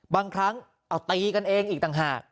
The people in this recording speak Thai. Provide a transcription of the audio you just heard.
บางครั้งเอาตีกันเองอีกต่างหาก